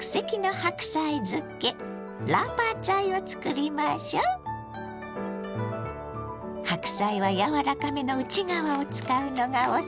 白菜は柔らかめの内側を使うのがおすすめ。